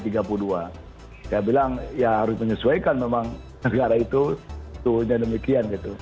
saya bilang ya harus menyesuaikan memang negara itu turunnya demikian gitu